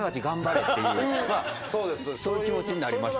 そういう気持ちになりました。